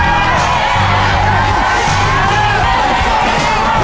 อีกครั้งเดี๋ยว